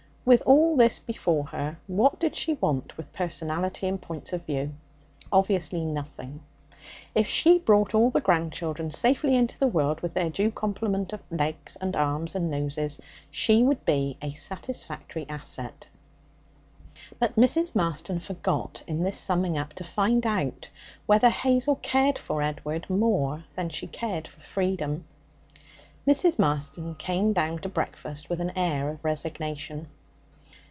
With all this before her, what did she want with personality and points of view? Obviously nothing. If she brought all the grandchildren safely into the world, with their due complement of legs and arms and noses, she would be a satisfactory asset. But Mrs. Marston forgot, in this summing up, to find out whether Hazel cared for Edward more than she cared for freedom. Mrs. Marston came down to breakfast with an air of resignation.